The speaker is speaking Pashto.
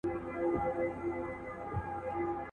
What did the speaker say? انګرېزان پټ ول.